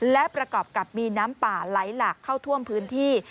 และประกอบกับมีน้ำป่าไหลหลากเข้าท่วมพื้นที่